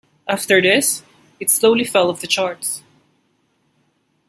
After this, it slowly fell off the charts.